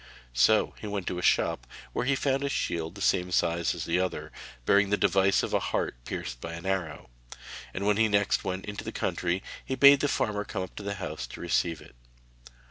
So he went to a shop where he found a shield the same size as the other, bearing the device of a heart pierced by an arrow, and when next he went into the country he bade the farmer come up to the house to receive it.